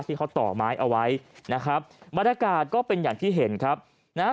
ที่เขาต่อไม้เอาไว้นะครับบรรยากาศก็เป็นอย่างที่เห็นครับนะฮะ